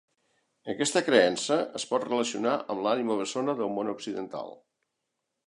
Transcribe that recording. Aquesta creença es pot relacionar amb l'ànima bessona del món occidental.